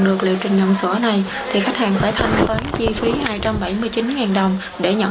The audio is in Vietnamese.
đưa xuống từ cấp trên